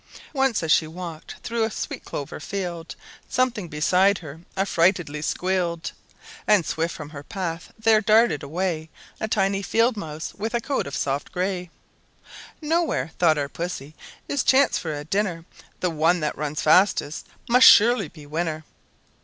Once, as she walked through a sweet clover field, Something beside her affrightedly squealed, And swift from her path there darted away A tiny field mouse, with a coat of soft gray. "Now here," thought our Pussy, "is chance for a dinner; The one that runs fastest must surely be winner!"